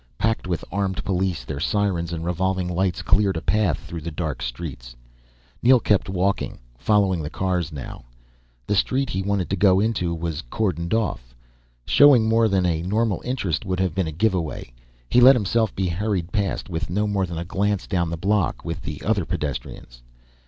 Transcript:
Packed with armed police, their sirens and revolving lights cleared a path through the dark streets. Neel kept walking, following the cars now. The street he wanted to go into was cordoned off. Showing more than a normal interest would have been a giveaway. He let himself be hurried past, with no more than a glance down the block, with the other pedestrians.